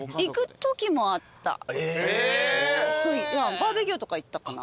バーベキューとか行ったかな。